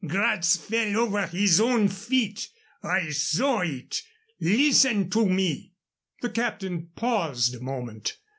Gratz fell over his own feet. I saw it. Listen to me." The captain paused a moment.